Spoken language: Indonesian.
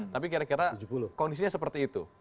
tapi kira kira kondisinya seperti itu